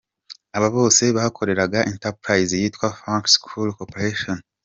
Aba bose bakoreraga entreprise yitwa Fuxin Coal Corporation.